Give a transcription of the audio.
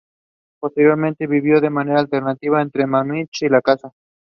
He currently resides in Jerusalem.